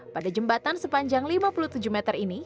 pada jembatan sepanjang lima puluh tujuh meter ini